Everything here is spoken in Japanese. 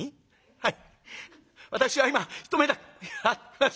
「はい。